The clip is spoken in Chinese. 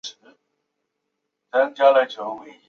连锁公司自此在中国市场迅速扩张。